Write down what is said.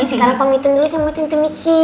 sekarang pamitan dulu sama tante michi